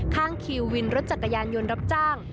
ข้างคิววินรถจักรยานยนต์รับจ้าง